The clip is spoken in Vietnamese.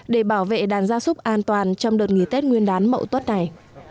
để bảo vệ đàn gia súc an toàn trong đợt nghỉ tết nguyên đán mậu tuất này